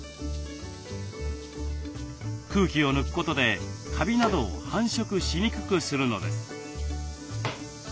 空気を抜くことでカビなどを繁殖しにくくするのです。